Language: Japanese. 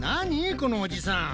このおじさん。